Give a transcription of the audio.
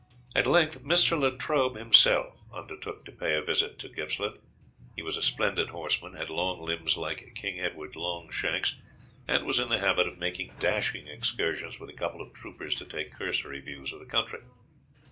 At length Mr. Latrobe himself undertook to pay a visit to Gippsland. He was a splendid horseman, had long limbs like King Edward Longshanks, and was in the habit of making dashing excursions with a couple of troopers to take cursory views of the country.